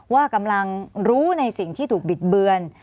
ว่ากำลังรู้ในสิ่งที่ถูกบิดเบือน